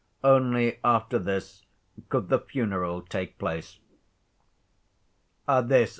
Only after this could the funeral take place.